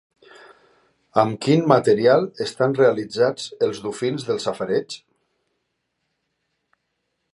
Amb quin material estan realitzats els dofins del safareig?